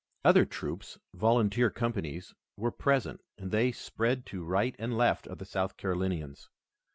Other troops, volunteer companies, were present and they spread to right and left of the South Carolinians.